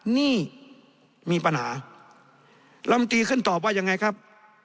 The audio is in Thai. นี่มีปัญหาลำตีขึ้นตอบว่ายังไงครับ